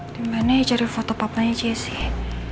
dimana cari foto papanya jaycee